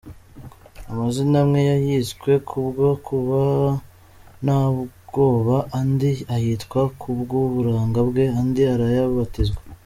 Amazina amwe yayiswe kubwo kuba Ntabwoba, andi ayitwa kubw’uburanga bwe, andi arayabatizwa.